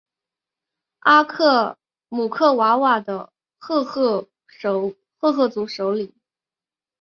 姆克瓦瓦的赫赫族首领。